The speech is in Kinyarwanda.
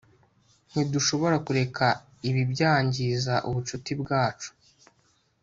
ntidushobora kureka ibi byangiza ubucuti bwacu